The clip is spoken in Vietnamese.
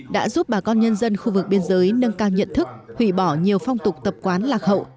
đã giúp bà con nhân dân khu vực biên giới nâng cao nhận thức hủy bỏ nhiều phong tục tập quán lạc hậu